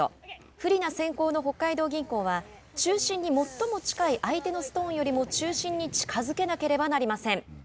不利な先攻の北海道銀行は中心に最も近い相手のストーンよりも中心に近づけなければなりません。